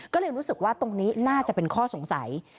ก็เลยรู้สึกว่าตรงนี้น่าจะเป็นข้อสงสัย